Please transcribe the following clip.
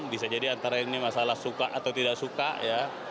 bisa jadi antara ini masalah suka atau tidak suka ya